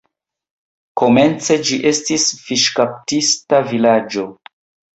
Komence ĝi estis fiŝkaptista vilaĝo.